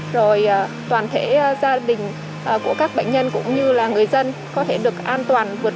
rồi toàn thể gia đình của các bệnh nhân cũng như là người dân có thể được an toàn vượt qua được đại dịch